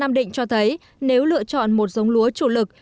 tám năm định cho thấy nếu lựa chọn một dống lúa chủ lực